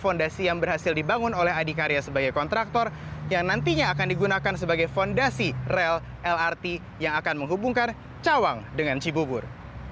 fondasi yang berhasil dibangun oleh adikarya sebagai kontraktor yang nantinya akan digunakan sebagai fondasi rel lrt yang akan menghubungkan cawang dengan cibubur